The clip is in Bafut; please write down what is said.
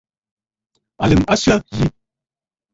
Àlə̀m a syə yi.